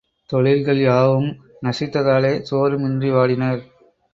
தொழில்கள் யாவும் நசித்த தாலே சோறும் இன்றி வாடினர்.